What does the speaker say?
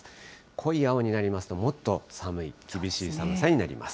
濃い青になりますと、もっと寒い、厳しい寒さになります。